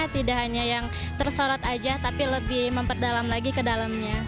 tidak hanya yang tersorot aja tapi lebih memperdalam lagi ke dalamnya